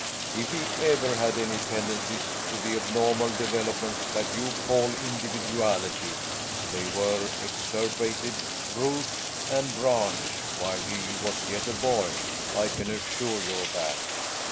If he ever had any tendencies to the abnormal developments that you call individuality, they were extirpated, root and branch, while he was yet a boy; I can assure you of that.